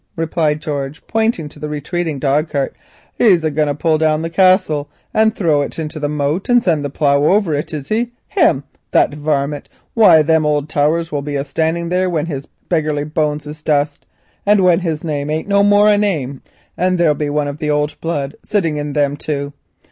_" replied George, pointing to the retreating dog cart—"he's a going to pull down the Castle and throw it into the moat and to send the plough over it, is he? Him—that varmint! Why, them old towers will be a standing there when his beggarly bones is dust, and when his name ain't no more a name; and there'll be one of the old blood sitting in them too.